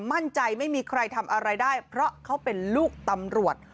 มั่นใจไม่มีใครทำอะไรได้เพราะเขาเป็นลูกตำรวจ